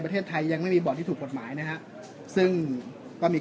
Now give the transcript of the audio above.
ประเทศไทยยังไม่มีบ่อนที่ถูกกฎหมายนะฮะซึ่งก็มี